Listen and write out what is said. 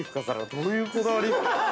どういうこだわり！